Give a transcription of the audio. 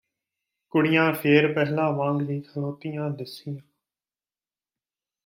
ਕੁੜੀਆਂ ਫੇਰ ਪਹਿਲਾਂ ਵਾਂਗ ਹੀ ਖਲੋਤੀਆਂ ਦਿੱਸੀਆਂ